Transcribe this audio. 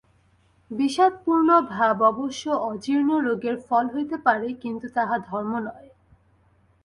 বিষাদপূর্ণ ভাব অবশ্য অজীর্ণ রোগের ফল হইতে পারে, কিন্তু তাহা ধর্ম নয়।